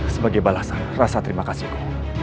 sebagai balasan rasa terima kasihku